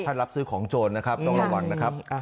ถ้ารับซื้อของโจรนะครับต้องระวังนะครับ